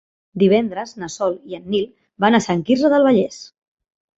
Divendres na Sol i en Nil van a Sant Quirze del Vallès.